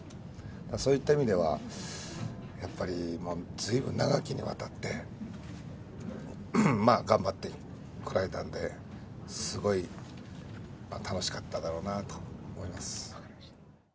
そういった意味では、やっぱりずいぶん長きにわたって、頑張ってこられたんで、すごい楽しかっただろうなと思います。